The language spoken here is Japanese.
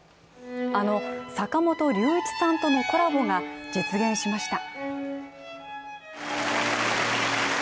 あの坂本龍一さんとのコラボが実現しました。